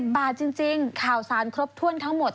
บาทจริงข่าวสารครบถ้วนทั้งหมด